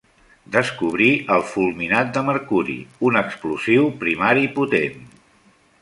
Descobrí el fulminat de mercuri, un explosiu primari potent.